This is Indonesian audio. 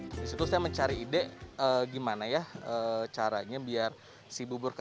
dari situ saya mencari ide gimana ya caranya biar si bubur ke